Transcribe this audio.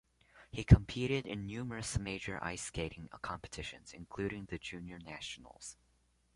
He competed in numerous major ice skating competitions, including the Junior Nationals.